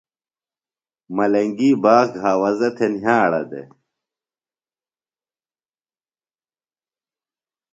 ملنگی باغ گھاوزہ تھے نھیاڑہ دے۔